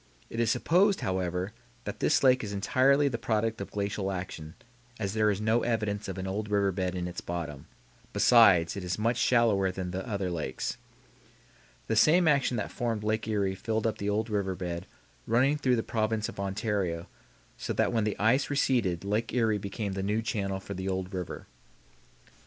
It is supposed, however, that this lake is entirely the product of glacial action, as there is no evidence of an old river bed in its bottom; besides, it is much shallower than the other lakes. The same action that formed Lake Erie filled up the old river bed running through the province of Ontario, so that when the ice receded Lake Erie became the new channel for the old river.